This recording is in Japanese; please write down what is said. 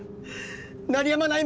鳴りやまない